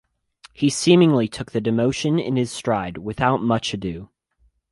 He seemingly took the demotion in his stride without much ado.